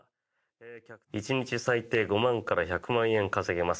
１日最低５万から１００万円稼げます。